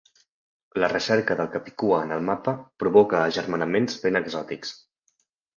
La recerca del capicua en el mapa provoca agermanaments ben exòtics.